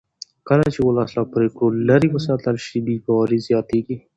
کله چې ولس له پرېکړو لرې وساتل شي بې باوري زیاتېږي